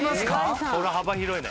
これは幅広いね。